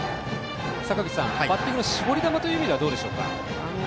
坂口さん、バッティングの絞り球はどうでしょうか？